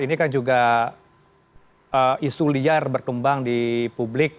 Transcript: ini kan juga isu liar berkembang di publik